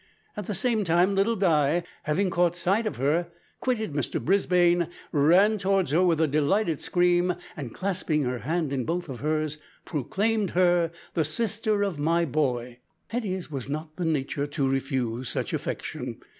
At the same time little Di, having caught sight of her, quitted Mrs Brisbane, ran towards her with a delighted scream, and clasping her hand in both of hers, proclaimed her the sister of "my boy!" Hetty's was not the nature to refuse such affection.